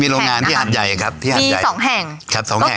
โรงงานที่หัดใหญ่ครับที่หัดใหญ่สองแห่งครับสองแห่ง